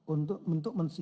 untuk mencari penyelesaian